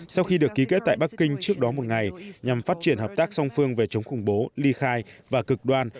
sau khi được ký kết tại bắc kinh trước đó một ngày nhằm phát triển hợp tác song phương về chống khủng bố ly khai và cực đoan